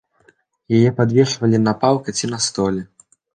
Яе падвешвалі на палка ці на столі.